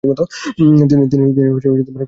তিনি কিডনিতে ব্যথা অনুভব করেন।